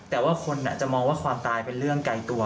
แต่ว่าคนจะมองว่าความตายเป็นเรื่องไกลตัว